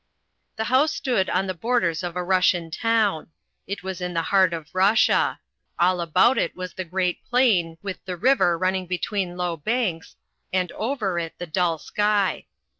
The house stood on the borders of a Russian town. It was in the heart of Russia. All about it was the great plain with the river running between low banks and over it the dull sky.